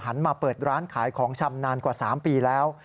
มาเปิดร้านขายของชำนานกว่า๓ปีแล้ว